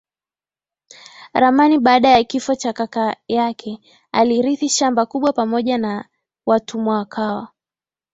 ramaniBaada ya kifo cha kaka yake alirithi shamba kubwa pamoja na watumwa akawa